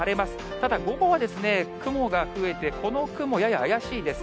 ただ、午後は雲が増えて、この雲、やや怪しいです。